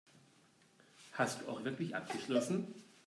Hast du auch wirklich abgeschlossen?